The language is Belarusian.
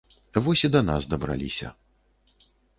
Вось і да нас дабраліся.